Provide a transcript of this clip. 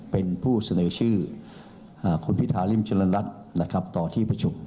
เป็นผู้เสนอชื่อคุณพิธาริมเจริญรัฐต่อที่ประชุม